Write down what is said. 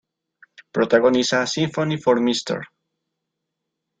Protagoniza Sympathy for Mr.